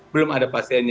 belum ada pasien